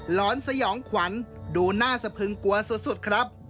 อนสยองขวัญดูหน้าสะพึงกลัวสุดครับ